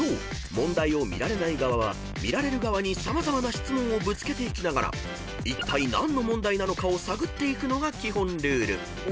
問題を見られない側は見られる側に様々な質問をぶつけていきながらいったい何の問題なのかを探っていくのが基本ルール］